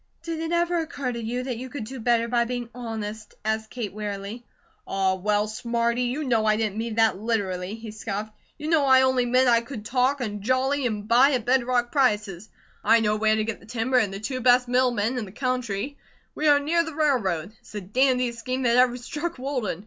"Did it ever occur to you that you could do better by being honest?" asked Kate, wearily. "Aw, well, Smarty! you know I didn't mean that literally!" he scoffed. "You know I only meant I could talk, and jolly, and buy at bed rock prices; I know where to get the timber, and the two best mill men in the country; we are near the railroad; it's the dandiest scheme that ever struck Walden.